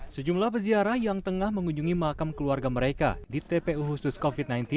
sejumlah peziarah yang tengah mengunjungi makam keluarga mereka di tpu khusus covid sembilan belas